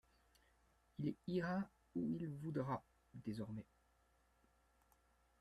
Il ira où il voudra, désormais.